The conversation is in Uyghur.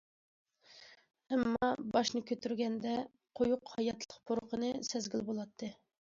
ئەمما، باشنى كۆتۈرگەندە، قويۇق ھاياتلىق پۇرىقىنى سەزگىلى بولاتتى.